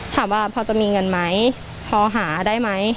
ถามว่าพอจะมีเงินไหมพอหาได้ไหม